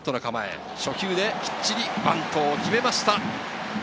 初球、きっちりバントを決めました。